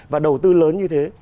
và đầu tư lớn như thế